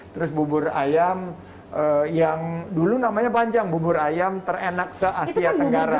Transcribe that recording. terus bubur ayam yang dulu namanya panjang bubur ayam terenak se asia tenggara